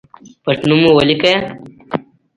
پټنوم مو ولیکئ